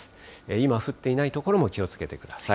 今、降っていない所も気をつけてください。